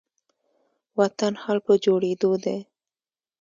وطن حال په جوړيدو دي